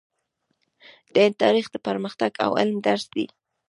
د هند تاریخ د پرمختګ او علم درس دی.